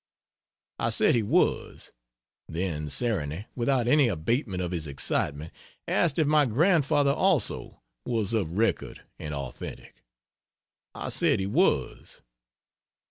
I said he was; then Sarony, without any abatement of his excitement asked if my grandfather also was of record and authentic. I said he was.